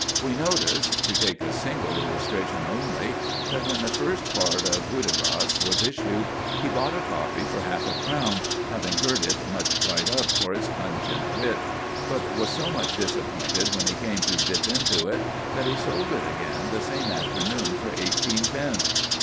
We notice—to take a single illustration only—that when the first part of "Hudibras" was issued, he bought a copy for half a crown, having heard it much cried up for its pungent wit; but was so much disappointed when he came to dip into it, that he sold it again the same afternoon for eighteen pence.